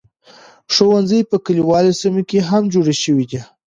ښوونځي په کليوالي سیمو کې هم جوړ شوي دي.